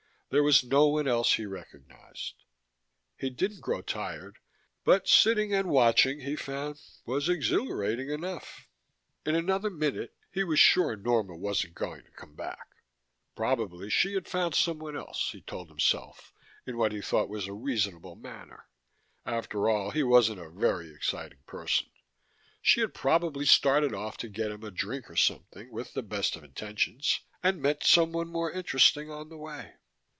There was no one else he recognized. He didn't grow tired, but sitting and watching, he found, was exhilarating enough. In another minute, he was sure Norma wasn't going to come back. Probably she had found someone else, he told himself in what he thought was a reasonable manner. After all, he wasn't a very exciting person: she had probably started off to get him a drink or something, with the best of intentions, and met someone more interesting on the way.